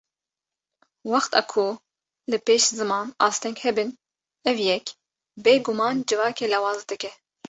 Wexta ku li pêş ziman asteng hebin ev yek, bêguman civakê lawaz dike